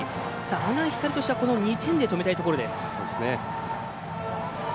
阿南光としては２点で止めたいところです。